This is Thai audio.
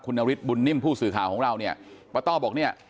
นฤทธบุญนิ่มผู้สื่อข่าวของเราเนี่ยป้าต้อบอกเนี่ย